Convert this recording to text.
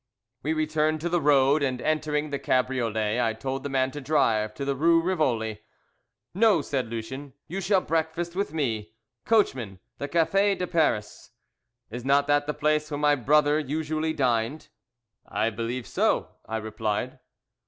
We returned to the road, and entering the cabriolet, I told the man to drive to the Rue Rivoli. "No," said Lucien, "you shall breakfast with me. Coachman, the Café de Paris; is not that the place where my brother usually dined?" "I believe so," I replied.